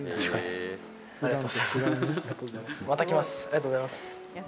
ありがとうございます。